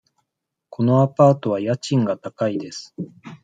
このアパートは家賃が高いです。